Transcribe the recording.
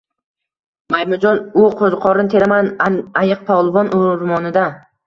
— Maymunjon – u qo’ziqorin teraman ayiqpolvon o’rmonida